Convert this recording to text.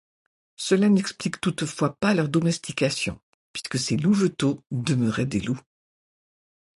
Cela n'explique toutefois pas leur domestication, puisque ces louveteaux demeuraient des loups.